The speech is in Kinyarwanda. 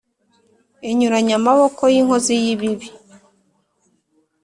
Inyuranya amaboko yinkozi yibibi